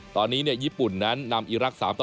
ตอนนี้ญี่ปุ่นนั้นนำอีรักษ์๓ต่อ